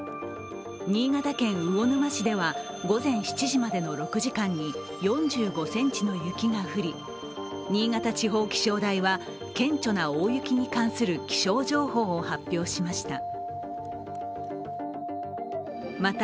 新潟県魚沼市では午前７時までの６時間に４５ｃｍの雪が降り新潟地方気象台は顕著な大雪に関する気象情報を発表しました。